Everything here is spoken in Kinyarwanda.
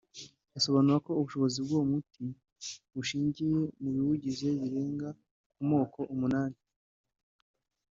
Asobanura ko ubushobozi bw’uwo muti bushingiye mu biwugize bigera ku moko umunani